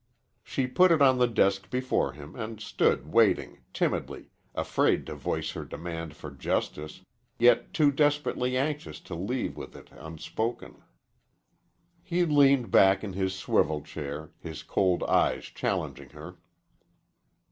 She put it on the desk before him and stood waiting, timidly, afraid to voice her demand for justice, yet too desperately anxious to leave with it unspoken. He leaned back in his swivel chair, his cold eyes challenging her.